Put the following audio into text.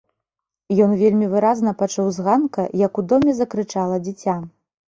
Ён вельмі выразна пачуў з ганка, як у доме закрычала дзіця.